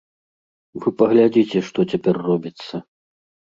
Вы паглядзіце, што цяпер робіцца.